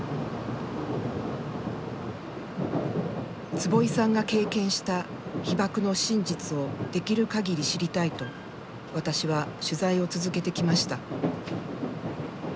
坪井さんが経験した被爆の真実をできる限り知りたいと私は取材を続けてきました。